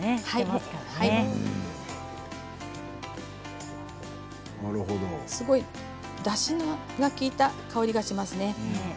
すごい、だしの利いた香りがしますね。